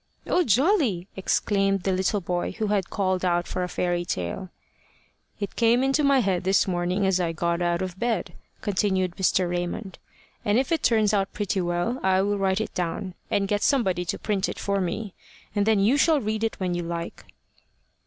"Oh, jolly!" exclaimed the little boy who had called out for a fairy tale. "It came into my head this morning as I got out of bed," continued Mr. Raymond; "and if it turns out pretty well, I will write it down, and get somebody to print it for me, and then you shall read it when you like."